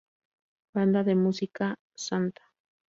Banda de Música Sta.